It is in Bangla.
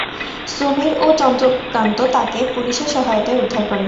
সমীর ও চন্দ্রকান্ত তাকে পুলিশের সহায়তায় উদ্ধার করে।